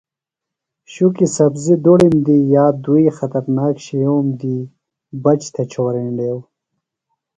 شُکیۡ سبزیۡ دُڑم دی یا بہ دُوئی خطرناک شِئوم دی بچ تھےۡ چھورینڈیوۡ۔